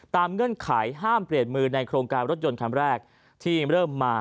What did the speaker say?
เงื่อนไขห้ามเปลี่ยนมือในโครงการรถยนต์คันแรกที่เริ่มมา